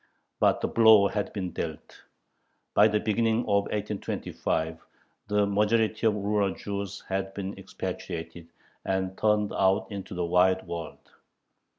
But the blow had been dealt. By the beginning of 1825 the majority of rural Jews had been expatriated, and turned out into the wide world.